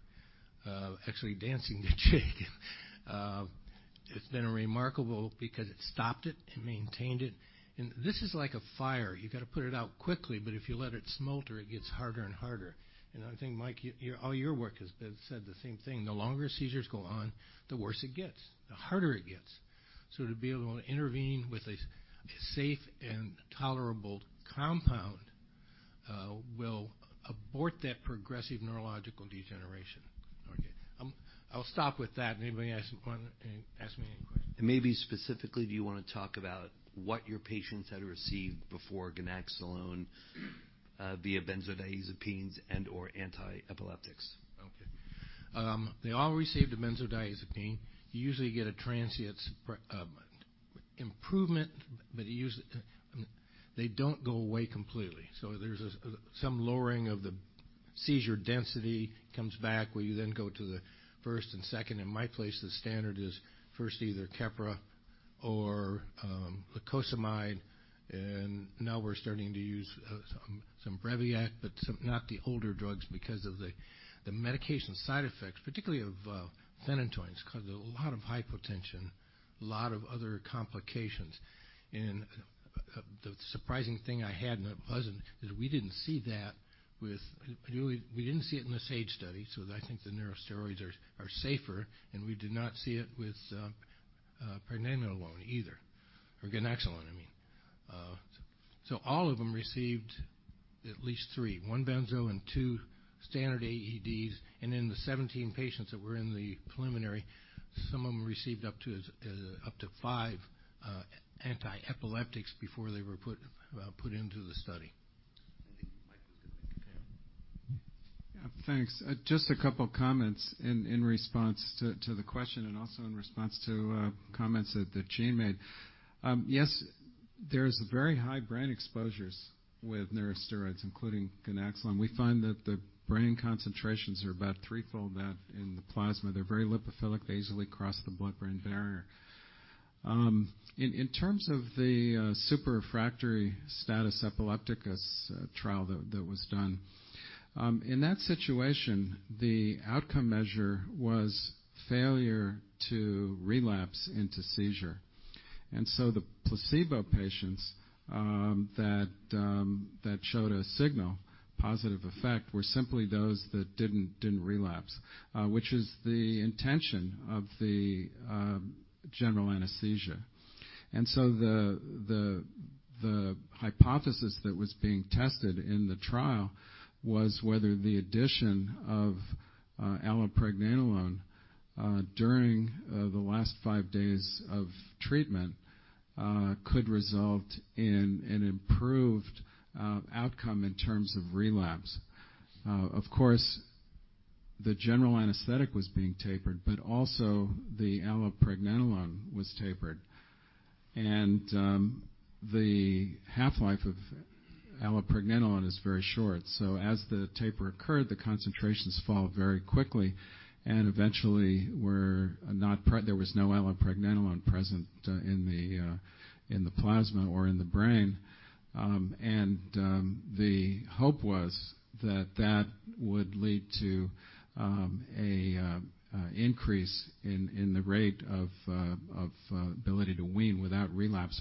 actually dancing to jig. It's been remarkable because it stopped it and maintained it. This is like a fire. You've got to put it out quickly, but if you let it smolder, it gets harder and harder. I think, Mike, all your work has said the same thing. The longer seizures go on, the worse it gets, the harder it gets. To be able to intervene with a safe and tolerable compound will abort that progressive neurological degeneration. Okay. I'll stop with that. Anybody ask me any question? Maybe specifically, do you want to talk about what your patients had received before ganaxolone via benzodiazepines and/or antiepileptics? Okay. They all received a benzodiazepine. You usually get a transient improvement, but they don't go away completely. There's some lowering of the seizure burden comes back, where you then go to the first and second. In my place, the standard is first either KEPPRA or lacosamide, and now we're starting to use some BRIVIACT, but not the older drugs because of the medication side effects, particularly of phenytoin, cause a lot of hypotension, a lot of other complications. The surprising thing I had, and it wasn't, is we didn't see that in the SAGE trial, I think the neurosteroids are safer, and we did not see it with brexanolone either, or ganaxolone, I mean. All of them received at least three, one benzo and two standard AEDs. In the 17 patients that were in the preliminary, some of them received up to five anti-epileptics before they were put into the study. I think Mike was going to compare. Yeah, thanks. Just a couple of comments in response to the question and also in response to comments that Gene made. Yes, there's very high brain exposures with neurosteroids, including ganaxolone. We find that the brain concentrations are about threefold that in the plasma. They're very lipophilic. They easily cross the blood-brain barrier. In terms of the super-refractory status epilepticus trial that was done, in that situation, the outcome measure was failure to relapse into seizure. The placebo patients that showed a signal positive effect were simply those that didn't relapse, which is the intention of the general anesthesia. The hypothesis that was being tested in the trial was whether the addition of allopregnanolone during the last five days of treatment could result in an improved outcome in terms of relapse. Of course, the general anesthetic was being tapered, but also the allopregnanolone was tapered. The half-life of allopregnanolone is very short. As the taper occurred, the concentrations fall very quickly and eventually there was no allopregnanolone present in the plasma or in the brain. The hope was that that would lead to an increase in the rate of ability to wean without relapse.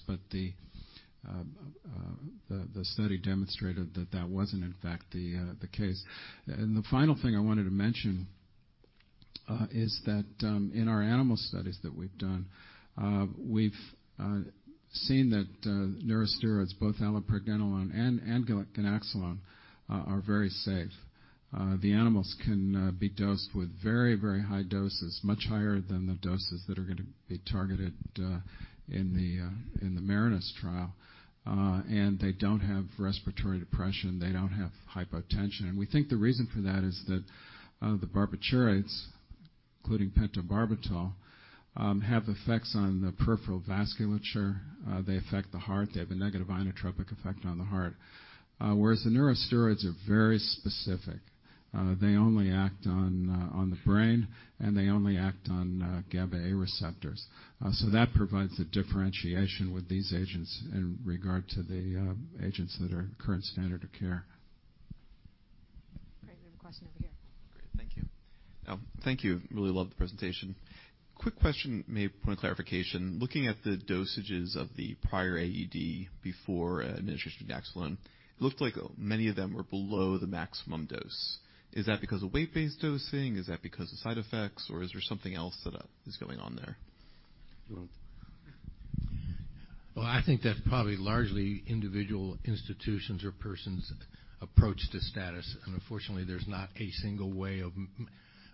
The study demonstrated that wasn't in fact the case. The final thing I wanted to mention is that in our animal studies that we've done, we've seen that neurosteroids, both allopregnanolone and ganaxolone, are very safe. The animals can be dosed with very, very high doses, much higher than the doses that are going to be targeted in the Marinus trial. They don't have respiratory depression. They don't have hypotension. We think the reason for that is that the barbiturates, including pentobarbital, have effects on the peripheral vasculature. They affect the heart. They have a negative inotropic effect on the heart. Whereas the neurosteroids are very specific. They only act on the brain, and they only act on GABAA receptors. That provides a differentiation with these agents in regard to the agents that are current standard of care. Great. We have a question over here. Great. Thank you. Thank you. Really loved the presentation. Quick question, maybe a point of clarification. Looking at the dosages of the prior AED before administration of ganaxolone, it looked like many of them were below the maximum dose. Is that because of weight-based dosing? Is that because of side effects, or is there something else that is going on there? Well Well, I think that's probably largely individual institutions' or persons' approach to status. Unfortunately, there's not a single way.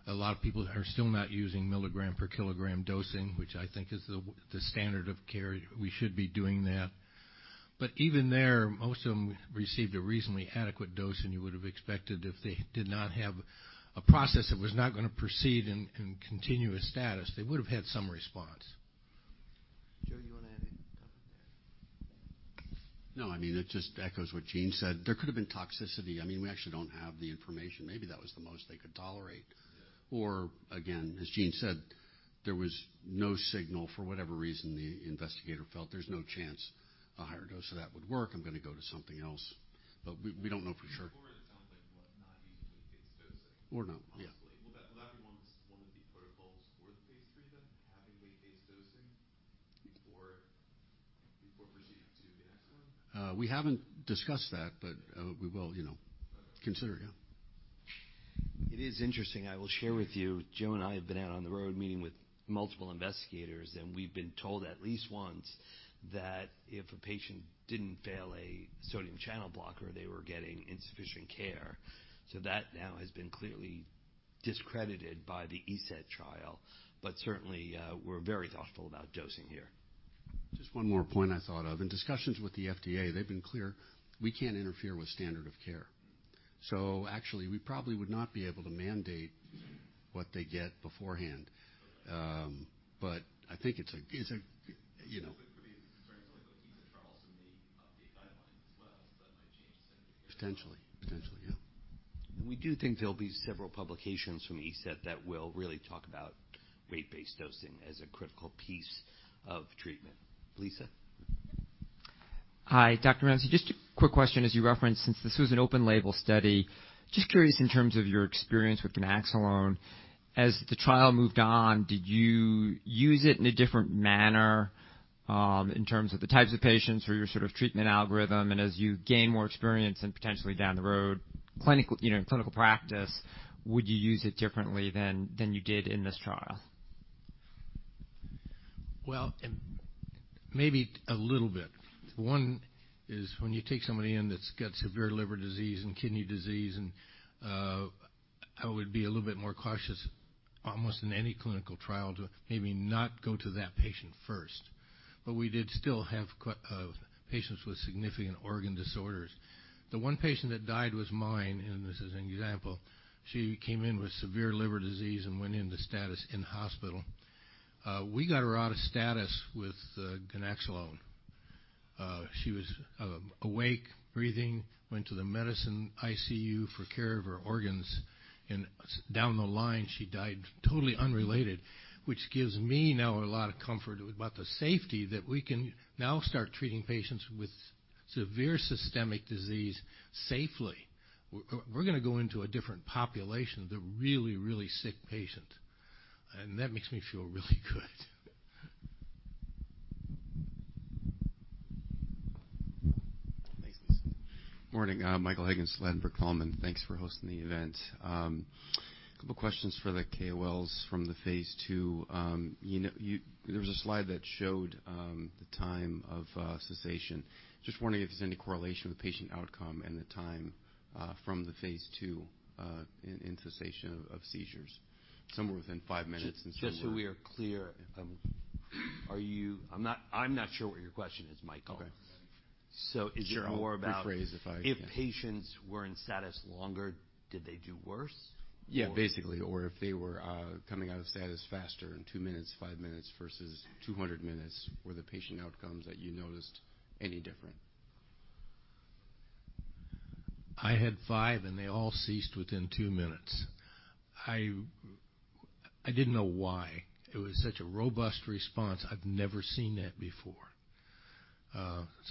A lot of people are still not using milligram per kilogram dosing, which I think is the standard of care. We should be doing that. Even there, most of them received a reasonably adequate dose, and you would have expected if they did not have a process that was not going to proceed in continuous status, they would have had some response. Joe, you want to add any comment there? No, it just echoes what Gene said. There could have been toxicity. We actually don't have the information. Maybe that was the most they could tolerate. Yeah. Again, as Gene said, there was no signal. For whatever reason, the investigator felt there's no chance a higher dose of that would work. I'm going to go to something else. We don't know for sure. Before, it sounds like not using weight-based dosing. No. Yeah. Honestly. Will that be one of the protocols for the phase III then, having weight-based dosing before proceeding to ganaxolone? We haven't discussed that, but we will consider it, yeah. It is interesting. I will share with you, Joe and I have been out on the road meeting with multiple investigators, and we've been told at least once that if a patient didn't fail a sodium channel blocker, they were getting insufficient care. That now has been clearly discredited by the ESETT trial, but certainly, we're very thoughtful about dosing here. Just one more point I thought of. In discussions with the FDA, they've been clear we can't interfere with standard of care. Actually, we probably would not be able to mandate what they get beforehand. It's a- You know Potentially. Potentially, yeah. We do think there'll be several publications from ESETT that will really talk about weight-based dosing as a critical piece of treatment. Lisa. Hi, Dr. Ramsay. Just a quick question, as you referenced, since this was an open-label study, just curious in terms of your experience with ganaxolone, as the trial moved on, did you use it in a different manner? In terms of the types of patients or your sort of treatment algorithm, and as you gain more experience and potentially down the road, in clinical practice, would you use it differently than you did in this trial? Well, maybe a little bit. One is when you take somebody in that's got severe liver disease and kidney disease. I would be a little bit more cautious almost in any clinical trial to maybe not go to that patient first. We did still have patients with significant organ disorders. The one patient that died was mine, and this is an example. She came in with severe liver disease and went into status in hospital. We got her out of status with ganaxolone. She was awake, breathing, went to the medicine ICU for care of her organs. Down the line, she died totally unrelated, which gives me now a lot of comfort about the safety that we can now start treating patients with severe systemic disease safely. We're going to go into a different population, the really, really sick patient. That makes me feel really good. Thanks, Lisa. Morning. Michael Higgins, Ladenburg Thalmann. Thanks for hosting the event. Couple questions for the KOLs from the phase II. There was a slide that showed the time of cessation. Just wondering if there's any correlation with patient outcome. The time from the phase II in cessation of seizures. Somewhere within five minutes and somewhere. Just so we are clear. I'm not sure what your question is, Michael. Okay. Sure, I'll rephrase. Yeah. Is it more about if patients were in status longer, did they do worse? Yeah, basically. If they were coming out of status faster in two minutes, five minutes versus 200 minutes, were the patient outcomes that you noticed any different? I had five, and they all ceased within two minutes. I didn't know why it was such a robust response. I've never seen that before.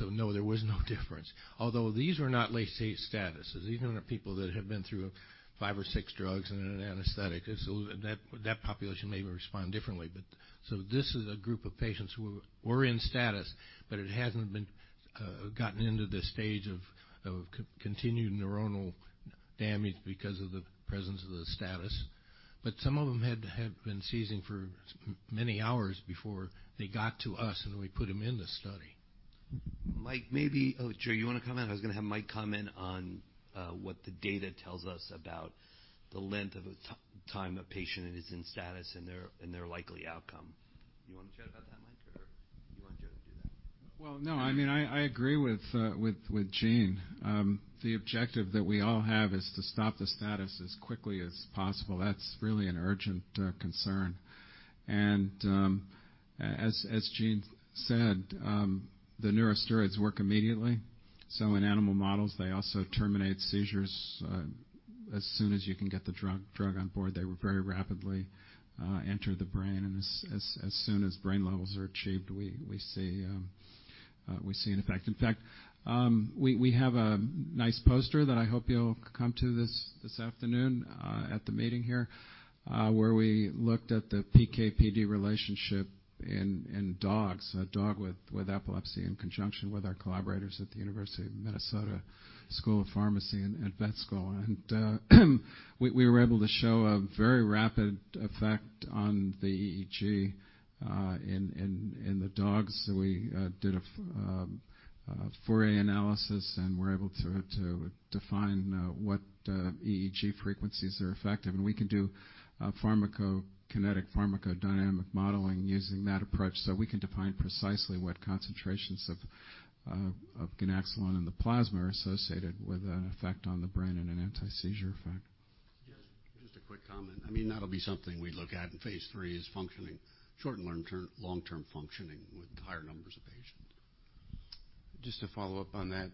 No, there was no difference. Although these were not late status. These are not people that have been through five or six drugs and an anesthetic. That population may respond differently. This is a group of patients who were in status, but it hasn't gotten into the stage of continued neuronal damage because of the presence of the status. Some of them had been seizing for many hours before they got to us, and we put them in the study. Mike, Oh, Jerry, you want to comment? I was going to have Mike comment on what the data tells us about the length of time a patient is in status and their likely outcome. You want to chat about that, Mike, or you want Jerry to do that? Well, no. I agree with Gene. The objective that we all have is to stop the status as quickly as possible. That's really an urgent concern. As Gene said, the neurosteroids work immediately. In animal models, they also terminate seizures as soon as you can get the drug on board. They very rapidly enter the brain. As soon as brain levels are achieved, we see an effect. In fact, we have a nice poster that I hope you'll come to this afternoon at the meeting here where we looked at the PK/PD relationship in dogs, a dog with epilepsy, in conjunction with our collaborators at the University of Minnesota School of Pharmacy and Vet School. We were able to show a very rapid effect on the EEG in the dogs. We did a Fourier analysis and were able to define what EEG frequencies are effective. We can do pharmacokinetic, pharmacodynamic modeling using that approach. We can define precisely what concentrations of ganaxolone in the plasma are associated with an effect on the brain and an anti-seizure effect. Just a quick comment. That'll be something we look at in phase III, is functioning, short and long-term functioning with higher numbers of patients. Just to follow up on that.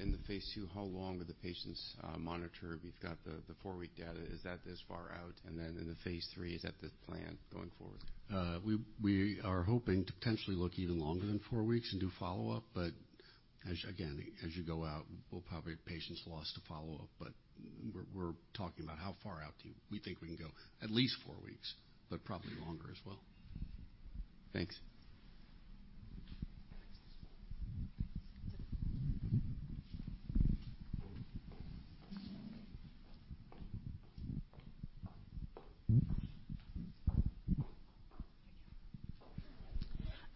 In the phase II, how long are the patients monitored? We've got the four-week data. Is that this far out? In the phase III, is that the plan going forward? We are hoping to potentially look even longer than 4 weeks and do follow-up. Again, as you go out, we'll probably have patients lost to follow-up. We're talking about how far out we think we can go. At least 4 weeks, but probably longer as well. Thanks.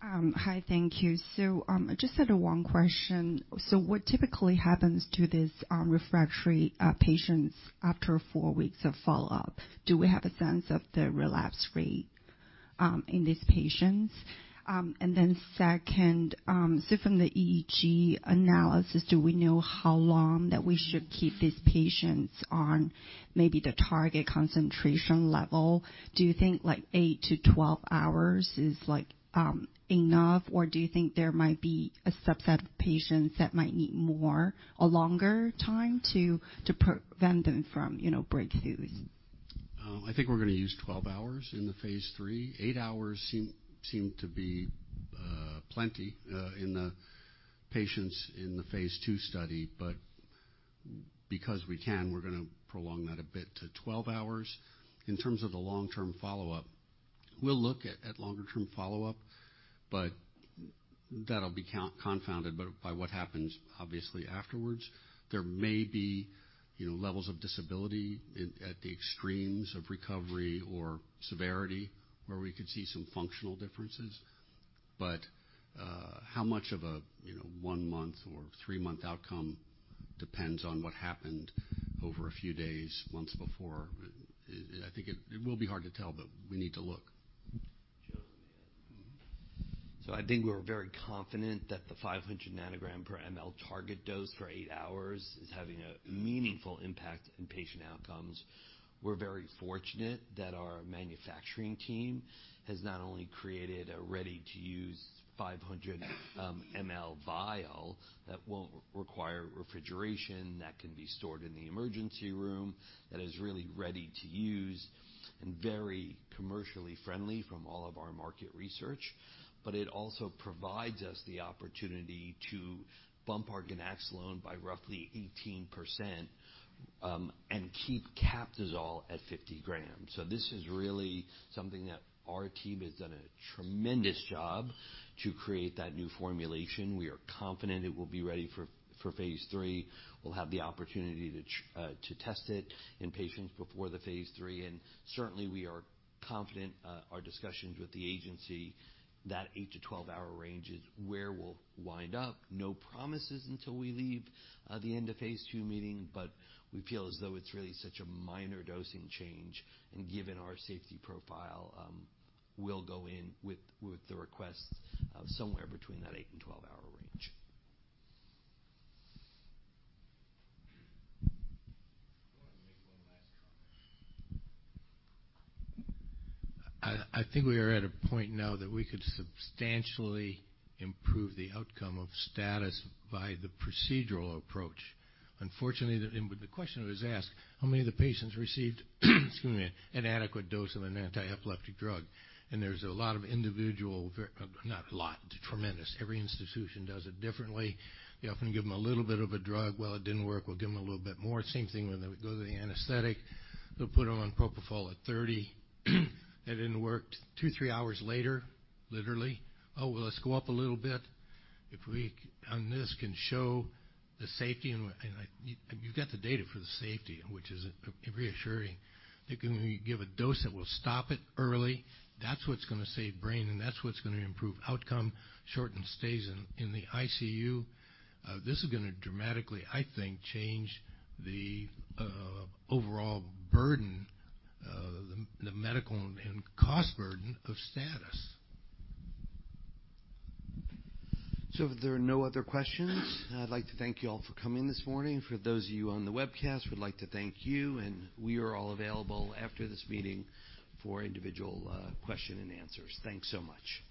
Hi. Thank you. Just had one question. What typically happens to these refractory patients after four weeks of follow-up? Do we have a sense of the relapse rate in these patients? From the EEG analysis, do we know how long that we should keep these patients on maybe the target concentration level? Do you think eight to 12 hours is enough? Do you think there might be a subset of patients that might need more, a longer time to prevent them from breakthroughs? I think we're going to use 12 hours in the phase III. Eight hours seemed to be plenty in the patients in the phase II study. Because we can, we're going to prolong that a bit to 12 hours. In terms of the long-term follow-up, we'll look at longer-term follow-up, but that'll be confounded by what happens obviously afterwards. There may be levels of disability at the extremes of recovery or severity where we could see some functional differences. How much of a one-month or three-month outcome depends on what happened over a few days, months before. I think it will be hard to tell, but we need to look. Joe, you. I think we're very confident that the 500 nanogram per mL target dose for eight hours is having a meaningful impact in patient outcomes. We're very fortunate that our manufacturing team has not only created a ready-to-use 500 mL vial that won't require refrigeration, that can be stored in the emergency room, that is really ready to use and very commercially friendly from all of our market research. It also provides us the opportunity to bump our ganaxolone by roughly 18% and keep Captisol at 50 grams. This is really something that our team has done a tremendous job to create that new formulation. We are confident it will be ready for phase III. We'll have the opportunity to test it in patients before the phase III. Certainly, we are confident our discussions with the agency, that 8-12 hour range is where we'll wind up. No promises until we leave the end of phase II meeting, we feel as though it's really such a minor dosing change. Given our safety profile, we'll go in with the request of somewhere between that eight and 12-hour range. Go ahead and make one last comment. I think we are at a point now that we could substantially improve the outcome of status by the procedural approach. Unfortunately, the question was asked, how many of the patients received an adequate dose of an antiepileptic drug? There's a lot. Not a lot. Tremendous. Every institution does it differently. They often give them a little bit of a drug. Well, it didn't work. We'll give them a little bit more. Same thing when they would go to the anesthetic. They'll put them on propofol at 30. That didn't work. Two, three hours later, literally, Oh, well, let's go up a little bit. If we, on this, can show the safety, and you've got the data for the safety, which is reassuring. They can give a dose that will stop it early. That's what's going to save brain, and that's what's going to improve outcome, shorten stays in the ICU. This is going to dramatically, I think, change the overall burden, the medical and cost burden of status. If there are no other questions, I'd like to thank you all for coming this morning. For those of you on the webcast, we'd like to thank you, and we are all available after this meeting for individual question and answers. Thanks so much.